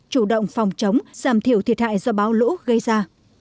chủ động phòng chống giảm thiểu thiệt hại do bão lũ gây ra